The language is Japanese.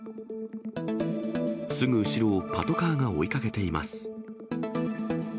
すぐ後ろをパトカーが追いかけています。